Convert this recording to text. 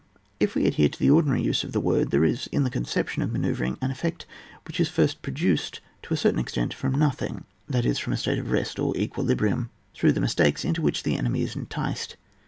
If we adhere to the ordinary use of the word, there is in the conception of manoeuvring an effect which is first pro duced^ to a certain extent, &om nothing, that is, from a state of rest or equilibrium through the mistakes into which the enemy is enticed.